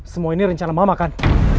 semua ini rencana mama kan